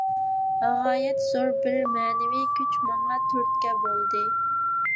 غايەت زور بىر مەنىۋى كۈچ ماڭا تۈرتكە بولدى.